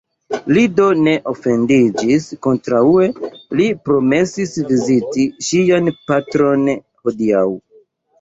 Li do ne ofendiĝis; kontraŭe, li promesis viziti ŝian patron hodiaŭ.